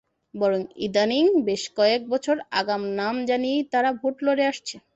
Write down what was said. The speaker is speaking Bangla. বরং ইদানীং বেশ কয়েক বছর আগাম নাম জানিয়েই তারা ভোট লড়ে আসছে।